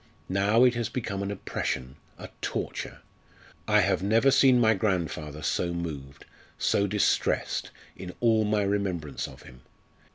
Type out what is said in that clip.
Now, it has become an oppression a torture. I have never seen my grandfather so moved, so distressed, in all my remembrance of him.